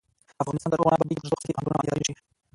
افغانستان تر هغو نه ابادیږي، ترڅو خصوصي پوهنتونونه معیاري نشي.